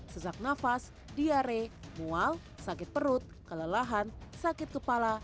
sesak nafas diare mual sakit perut kelelahan sakit kepala